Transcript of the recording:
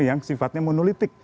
yang sifatnya monolitik